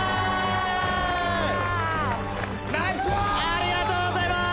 ありがとうございます。